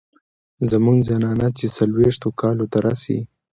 زمونږ زنانه چې څلوېښتو کالو ته رسي